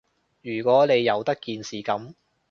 如果你由得件事噉